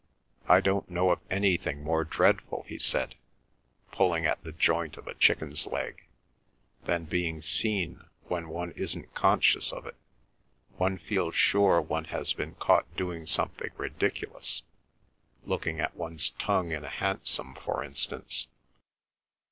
"I don't know of anything more dreadful," he said, pulling at the joint of a chicken's leg, "than being seen when one isn't conscious of it. One feels sure one has been caught doing something ridiculous—looking at one's tongue in a hansom, for instance."